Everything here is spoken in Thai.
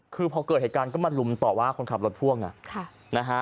คือพอเกิดเหตุการณ์ก็มาลุมต่อว่าคนขับรถพ่วงนะฮะ